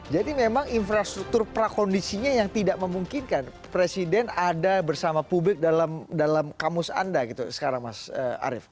jadi memang infrastruktur prakondisinya yang tidak memungkinkan presiden ada bersama publik dalam kamus anda gitu sekarang mas arief